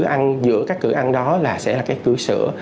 ăn giữa các cử ăn đó là sẽ là cái cử sữa